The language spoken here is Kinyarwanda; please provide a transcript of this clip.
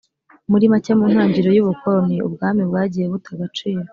Muri make, mu ntagiriro y'ubukoloni, ubwami bwagiye buta agaciro,